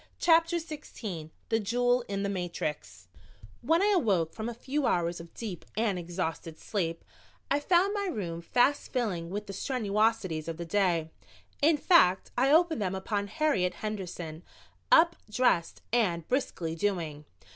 CHAPTER XVI THE JEWEL IN THE MATRIX When I awoke from a few hours of deep and exhausted sleep I found my room fast filling with the strenuosities of the day. In fact, I opened them upon Harriet Henderson, up, dressed and briskly doing.